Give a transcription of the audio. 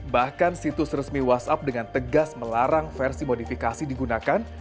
bahkan situs resmi whatsapp dengan tegas melarang versi modifikasi digunakan